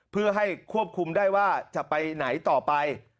เพื่อให้ควบคุมได้ว่าจะไปไหนต่อไป